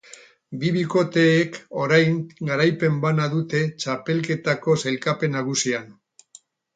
Bi bikoteek orain garaipen bana dute txapelketako sailkapen nagusian.